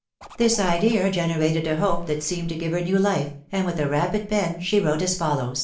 This idea generated a hope that seemed to give bet now \&%* md with a rapid pen she wrote aa follow.